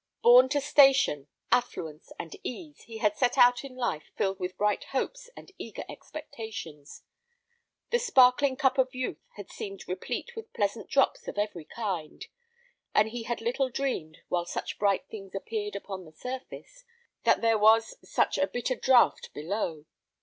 Born to station, affluence, and ease, he had set out in life filled with bright hopes and eager expectations. The sparkling cup of youth had seemed replete with pleasant drops of every kind, and he had little dreamed, while such bright things appeared upon the surface, that there was such a bitter draught below.